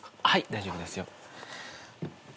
大丈夫ですよ。